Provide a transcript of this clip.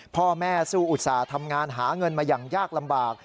พ่อแม่สู้อุตส่าห์ทำงานหาเงินมาอย่างยากลำบาก